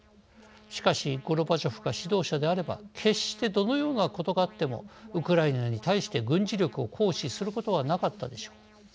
しかしゴルバチョフが指導者であれば決してどのようなことがあってもウクライナに対して軍事力を行使することはなかったでしょう。